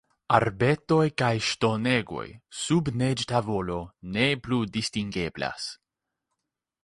Arbetoj kaj ŝtonegoj, sub neĝtavolo, ne plu distingeblas.